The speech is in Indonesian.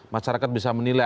masyarakat bisa menilai